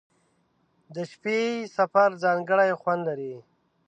• د شپې سفر ځانګړی خوند لري.